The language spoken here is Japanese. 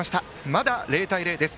まだ０対０です。